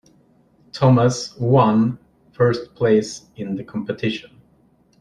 Thomas one first place in the competition.